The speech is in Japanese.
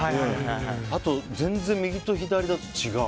あと、全然右と左だと違う。